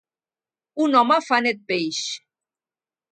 Un home fa net peix.